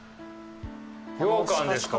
ようかんですか？